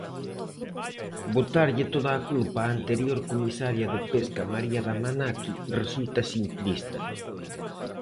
Botarlle toda a culpa á anterior Comisaria de Pesca, María Damanaqui, resulta simplista.